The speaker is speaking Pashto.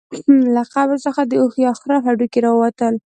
له قبر څخه د اوښ یا خره هډوکي راووتل.